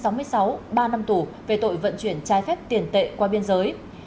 cùng về các tội buôn lậu và vận chuyển trái phép tiền tệ qua biên giới